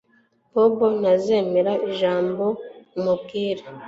Bobo ntazemera ijambo umubwira